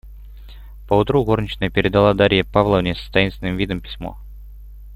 Поутру горничная передала Дарье Павловне, с таинственным видом, письмо.